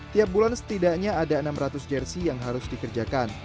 tiap bulan setidaknya ada enam ratus jersi yang harus dikerjakan